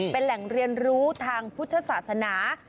เป็นแหล่งเรียนรู้ทางพุทธศาสนา